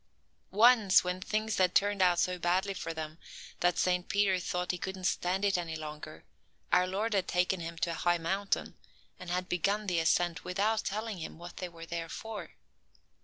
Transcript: Once, when things had turned out so badly for them that Saint Peter thought he couldn't stand it any longer, our Lord had taken him to a high mountain, and had begun the ascent without telling him what they were there for.